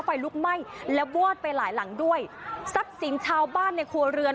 ไฟลุกไหม้และวอดไปหลายหลังด้วยทรัพย์สินชาวบ้านในครัวเรือน